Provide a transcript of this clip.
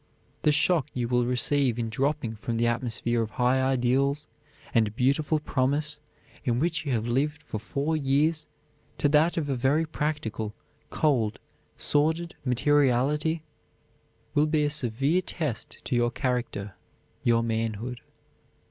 The shock you will receive in dropping from the atmosphere of high ideals and beautiful promise in which you have lived for four years to that of a very practical, cold, sordid materiality will be a severe test to your character, your manhood.